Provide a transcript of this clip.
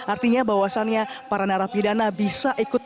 artinya bahwasannya para narapidana bisa ikut